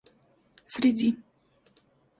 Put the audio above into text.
среди